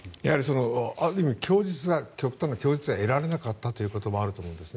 ある意味供述が得られなかったということもあると思うんですね。